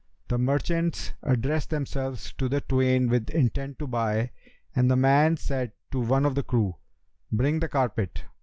The merchants addressed themselves to the twain with intent to buy, and the man said to one of the crew, 'Bring the carpet.'